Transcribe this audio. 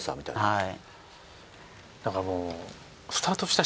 はい。